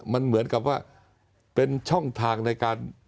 มันเหมือนกับว่าเป็นช่องทางในการ